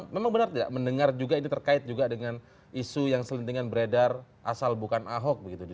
memang benar tidak mendengar juga ini terkait juga dengan isu yang selendingan beredar asal bukan ahok begitu di dua ribu tujuh belas